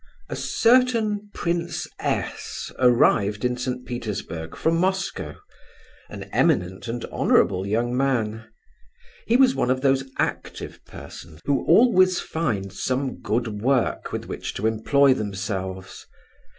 A certain Prince S—— arrived in St. Petersburg from Moscow, an eminent and honourable young man. He was one of those active persons who always find some good work with which to employ themselves.